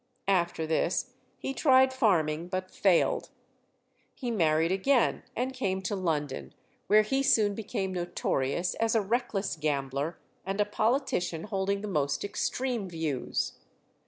After this he tried farming, but failed. He married again and came to London, where he soon became notorious as a reckless gambler and a politician holding the most extreme views.